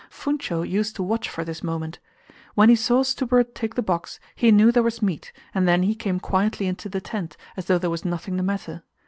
Funcho used to watch for this moment. When he saw Stubberud take the box, he knew there was meat, and then he came quietly into the tent, as though there was nothing the matter.